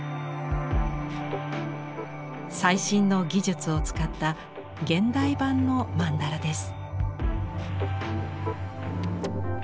最新の技術を使った現代版の曼荼羅です。